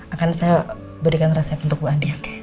akan saya berikan resep untuk bu adi